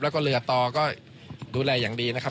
แล้วก็เรือต่อก็ดูแลอย่างดีนะครับ